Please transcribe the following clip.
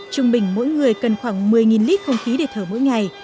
trung bình mỗi người cần khoảng một mươi lít không khí để thở mỗi ngày